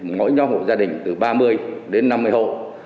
mỗi nhóm hộ gia đình từ ba mươi đến năm mươi hộ